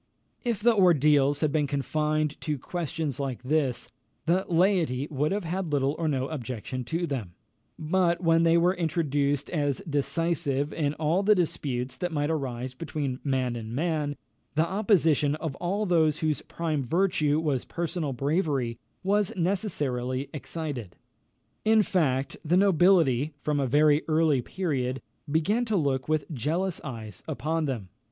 If the ordeals had been confined to questions like this, the laity would have had little or no objection to them; but when they were introduced as decisive in all the disputes that might arise between man and man, the opposition of all those whose prime virtue was personal bravery, was necessarily excited. In fact, the nobility, from a very early period, began to look with jealous eyes upon them.